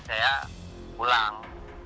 saya tidak punya uang